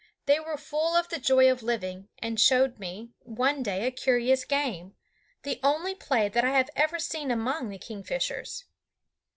They were full of the joy of living, and showed me, one day, a curious game, the only play that I have ever seen among the kingfishers.